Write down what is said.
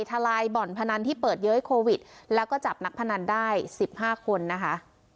ทลายบ่อนพนันที่เปิดเย้ยโควิดแล้วก็จับนักพนันได้๑๕คนนะคะ